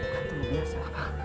kan terlalu biasa